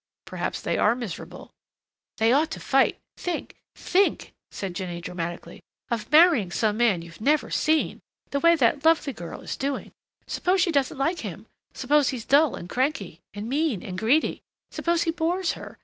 "Perhaps they are miserable." "They ought to fight. Think, think," said Jinny dramatically, "of marrying some man you've never seen the way that lovely girl is doing. Suppose she doesn't like him? Suppose he's dull and cranky and mean and greedy? Suppose he bores her?